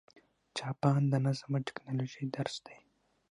جاپان د نظم او ټکنالوژۍ درس دی.